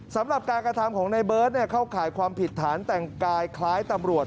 สำหรับการกระทำของในเบิร์ตเข้าข่ายความผิดฐานแต่งกายคล้ายตำรวจ